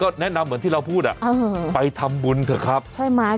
ก็แนะนำเหมือนที่เราพูดอ่ะเออไปทำบุญเถอะครับใช่ไหม